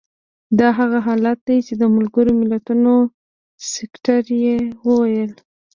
دا هغه حالت دی چې د ملګرو ملتونو سکتر یې وویل.